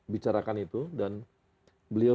bicarakan itu dan beliau